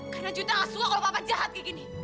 karena juwita gak suka kalau papa jahat kayak gini